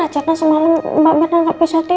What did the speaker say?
acara semalam mbak mirna gak pisah hati